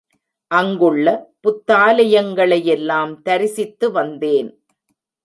அங்குள்ள புத்தாலயங்களை யெல்லாம் தரிசித்து வந்தேன்.